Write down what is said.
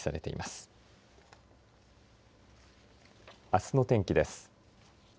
あすの天気です。